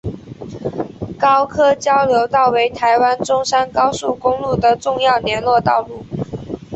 高科交流道为台湾中山高速公路的重要联络道路。